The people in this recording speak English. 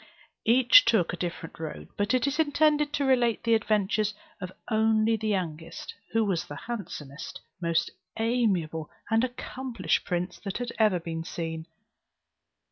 Each took a different road; but it is intended to relate the adventures of only the youngest, who was the handsomest, most amiable, and accomplished prince that had ever been seen.